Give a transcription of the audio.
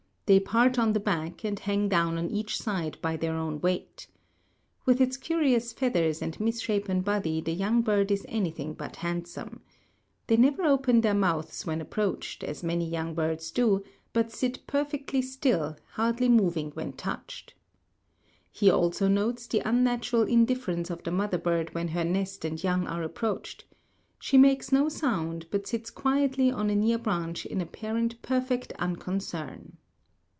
They part on the back and hang down on each side by their own weight. With its curious feathers and misshapen body the young bird is anything but handsome. They never open their mouths when approached, as many young birds do, but sit perfectly still, hardly moving when touched." He also notes the unnatural indifference of the mother bird when her nest and young are approached. She makes no sound, but sits quietly on a near branch in apparent perfect unconcern.